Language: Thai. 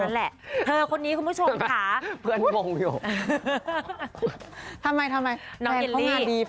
เธอคนนี้คุณผู้ชมค่ะเพื่อนมองอยู่